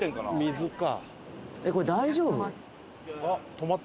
水か。